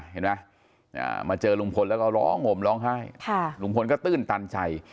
เห็นไหมมาเจอลุงพลแล้วก็ร้องห่มร้องไห้ลุงพลก็ตื้นตันใจ